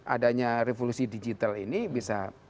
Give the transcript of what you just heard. adanya revolusi digital ini bisa